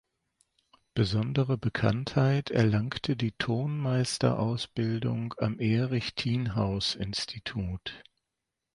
Besondere Bekanntheit erlangte die Tonmeister-Ausbildung am "Erich-Thienhaus-Institut".